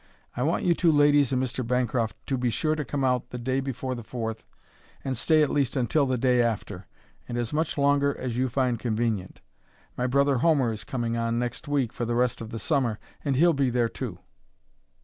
I want you two ladies and Mr. Bancroft to be sure to come out the day before the Fourth and stay at least until the day after, and as much longer as you find convenient. My brother Homer is coming on next week for the rest of the Summer, and he'll be there too."